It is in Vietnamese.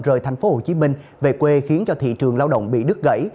rời thành phố hồ chí minh về quê khiến thị trường lao động bị đứt gãy